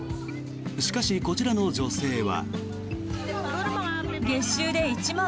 しかし、こちらの女性は。